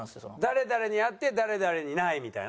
「誰々にあって誰々にない」みたいな？